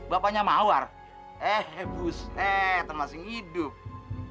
bapaknya mawar eh buset masih hidup